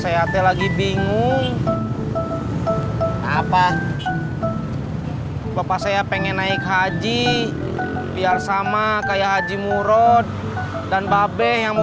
sehati lagi bingung apa bapak saya pengen naik haji biar sama kayak haji murod dan babe yang